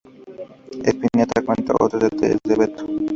Spinetta cuenta otros detalles de Beto.